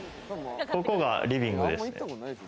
ここがリビングですね。